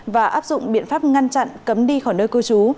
và áp dụng biện pháp ngăn chặn cấm đi khỏi nơi cư trú